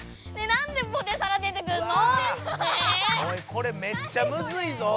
これめっちゃむずいぞおい！